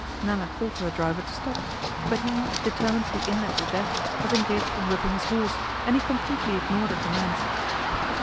Nella called to her driver to stop, but he, determined to be in at the death, was engaged in whipping his horse, and he completely ignored her commands.